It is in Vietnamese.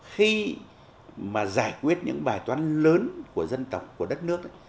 khi mà giải quyết những bài toán lớn của dân tộc của đất nước